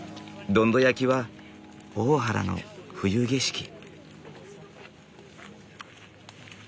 どんど焼きは大原の冬景色。